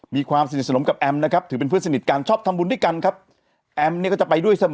มีความสนิทสนมกับแอมนะครับถือเป็นเพื่อนสนิทกันชอบทำบุญด้วยกันครับแอมเนี่ยก็จะไปด้วยเสมอ